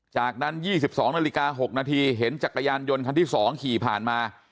จากนั้น๒๒นาฬิกา๖นาทีเห็นจักรยานยนต์คันที่๒ขี่ผ่านมา